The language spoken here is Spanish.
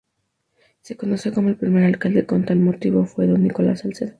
Se conoce como el primer alcalde con tal motivo fue Don Nicolás Salcedo.